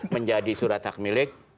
menjadi surat hak milik